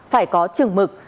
phải có trừng mực